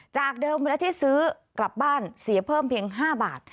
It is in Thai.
จากเดิมเวลาที่ซื้อกลับบ้านเสียเพิ่มเพียง๕บาท